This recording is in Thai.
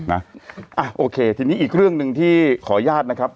อ่ะโอเคทีนี้อีกเรื่องหนึ่งที่ขออนุญาตนะครับ